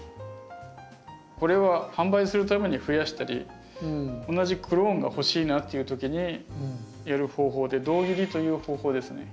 これは販売するためにふやしたり同じクローンが欲しいなっていう時にやる方法で「胴切り」という方法ですね。